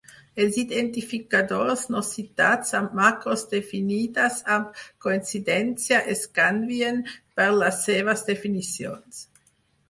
Els identificadors no citats amb macros definides amb coincidència es canvien per les seves definicions.